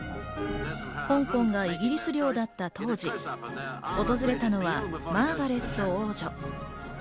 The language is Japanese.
香港はイギリス領だった当時、訪れたのはマーガレット王女。